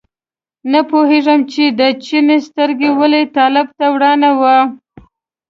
نه پوهېږم چې د چیني سترګه ولې طالب ته ورانه وه.